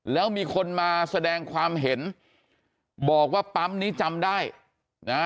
แล้วมีคนมาแสดงความเห็นบอกว่าปั๊มนี้จำได้นะ